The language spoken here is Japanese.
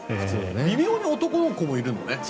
微妙に男の子もいるんだね。